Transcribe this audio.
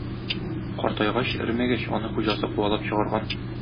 Картайгач, өрмәгәч, аны хуҗасы куалап чыгарган.